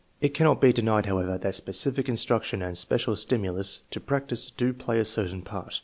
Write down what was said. It cannot be denied, however, that specific instruction and special stimulus to practice do play a certain part.